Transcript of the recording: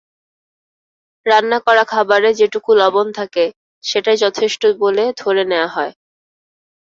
রান্না করা খাবারে যেটুকু লবণ থাকে, সেটাই যথেষ্ট বলে ধরে নেওয়া হয়।